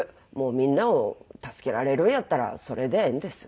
みんなを助けられるんやったらそれでいいんですよ。